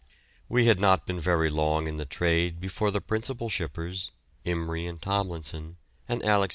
We had not been very long in the trade before the principal shippers, Imrie and Tomlinson and Alex.